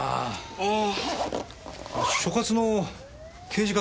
ああ。